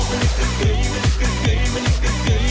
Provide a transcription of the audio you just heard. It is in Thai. บอกแล้วไงให้กลับ